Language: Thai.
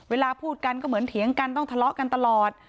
เวลาพูดกันก็เหมือนเถียงกันต้องทะเลาะกันตลอด